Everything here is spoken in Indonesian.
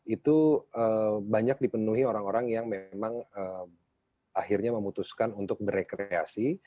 itu banyak dipenuhi orang orang yang memang akhirnya memutuskan untuk berrekreasi